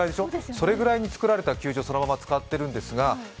それぐらいに作られた球場をそのまま使ってるんですけどね。